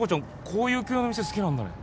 こういう系の店好きなんだね。